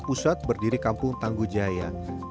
pusat berdiri kampung tangguh jaya